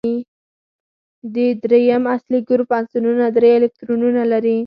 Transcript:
د دریم اصلي ګروپ عنصرونه درې الکترونونه لري.